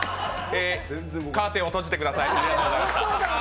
カーテンを閉じてください。